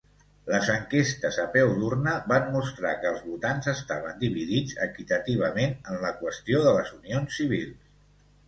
Les enquestes a peu d'urna van mostrar que els votants estaven dividits equitativament en la qüestió de les unions civils.